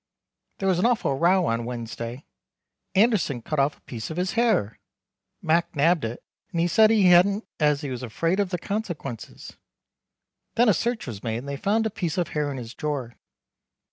There was an awful row on Wednesday. Anderson cut off a piece of his hair. Mac nabbed it, and he said he hadn't as he was afraid of the consequenses. Then a search was made and they fond a piece of hair in his drawer.